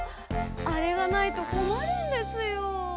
あれがないとこまるんですよ。